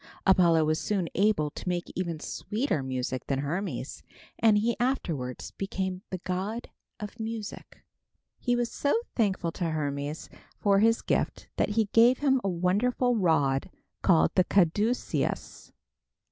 Apollo was soon able to make even sweeter music than Hermes, and he afterwards became the god of music. He was so thankful to Hermes for his gift that he gave him a wonderful rod called the caduceus.